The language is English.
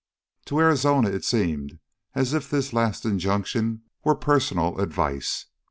To Arizona it seemed as if this last injunction were personal advice.